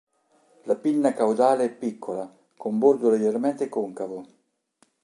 La pinna caudale è piccola, con bordo leggermente concavo.